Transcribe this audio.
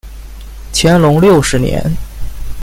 乾隆六十年。